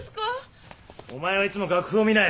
お前はいつも楽譜を見ない。